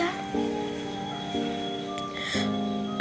kamu kok ngomongnya kayak gitu sih sat